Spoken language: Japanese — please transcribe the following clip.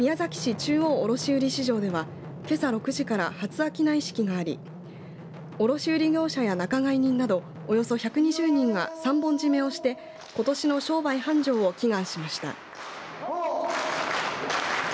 中央卸売市場ではけさ６時から初商式があり卸売業者や仲買人などおよそ１２０人が三本締めをしてことしの商売繁盛を祈願しました。